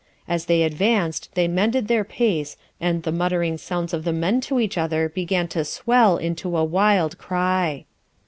As they advanced they mended their pace, and the muttering sounds of the men to each other began to swell into a wild cry.